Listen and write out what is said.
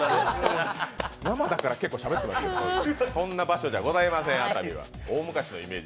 生だから結構しゃべってますけど熱海はそんな場所じゃありません。